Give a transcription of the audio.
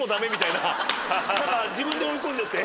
何か自分で追い込んじゃって。